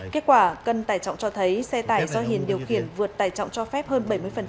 kết quả cân tải trọng cho thấy xe tải do hiền điều khiển vượt tải trọng cho phép hơn bảy mươi